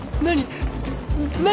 何？